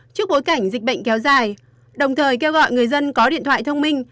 trước bối cảnh dịch bệnh kéo dài đồng thời kêu gọi người dân có điện thoại thông minh